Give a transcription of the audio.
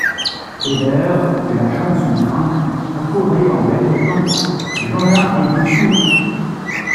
Bébert, lâchant son train, accourait en répétant: — Jeanlin est dessous!